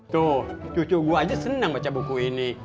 tuh cucu gue aja senang baca buku ini